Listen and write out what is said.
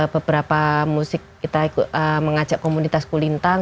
beberapa musik kita mengajak komunitas kulintang